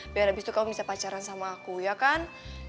biar habis itu kamu bisa pacaran sama aku ya kan